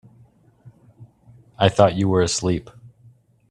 I thought you were asleep.